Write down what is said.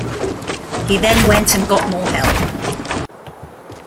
He then went and got more help.